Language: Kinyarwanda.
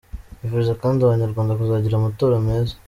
Bifuriza kandi Abanyarwanda kuzagira amatora meza.